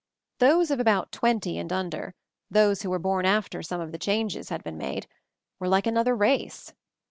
Those of about twenty and under, those who were born after some of these changes had been made, were like another race.